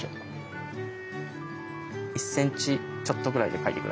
１センチちょっとぐらいで書いて下さい。